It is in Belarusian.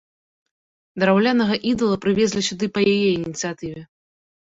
Драўлянага ідала прывезлі сюды па яе ініцыятыве.